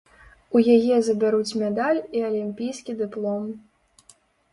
У яе забяруць медаль і алімпійскі дыплом.